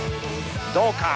どうか？